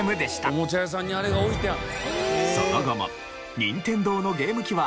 おもちゃ屋さんにあれが置いてある。